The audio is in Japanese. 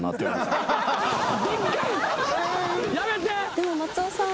でも松尾さん